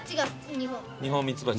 ニホンミツバチ。